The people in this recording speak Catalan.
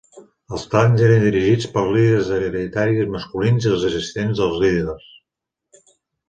Els clans eren dirigits per líders hereditaris masculins i els assistents dels líders.